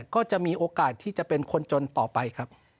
ก็จะมีโอกาสที่จะเป็นคนจนต่อไปครับ